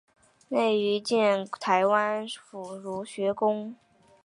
任内建台湾府儒学宫。